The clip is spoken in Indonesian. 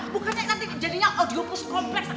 bukannya nanti jadinya audio post kompleks